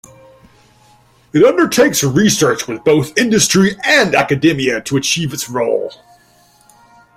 It undertakes research with both industry and academia to achieve its role.